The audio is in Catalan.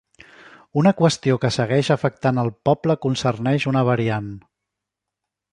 Una qüestió que segueix afectant el poble concerneix una variant.